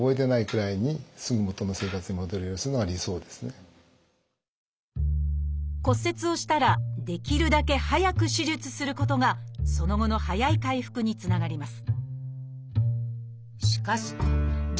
それから骨折をしたらできるだけ早く手術することがその後の早い回復につながります。